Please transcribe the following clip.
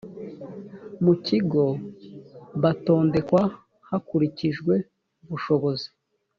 mu kigo batondekwa hakurikijwe ubushobozi